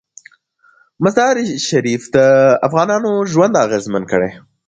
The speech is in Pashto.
مزارشریف د افغانانو ژوند اغېزمن کوي.